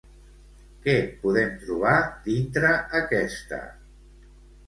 Què podem trobar dintre aquesta?